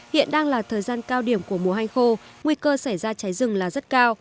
hiện đang là thời gian cao điểm của mùa hanh khô nguy cơ xảy ra cháy rừng là rất cao